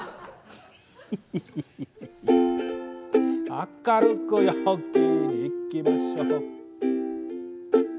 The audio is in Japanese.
「明るく陽気にいきましょう」